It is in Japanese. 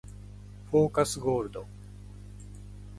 フォーカスゴールド